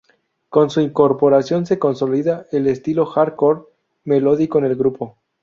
Con su incorporación se consolida el estilo "Hardcore" melódico en el grupo.